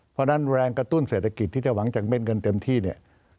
เพราะฉะนั้นแรงกระตุ้นเศรษฐกิจที่จะหวังจากเม็ดเงินเต็มที่เนี่ย